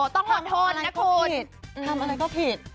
ต้องผ่อนทนนะคุณทำอะไรก็ผิด